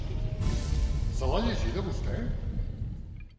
Se l'ha llegida, vostè?